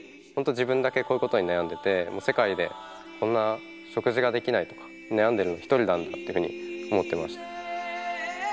自分だけこういうことに悩んでて世界でこんな食事ができないとか悩んでるのは１人なんだっていうふうに思ってました。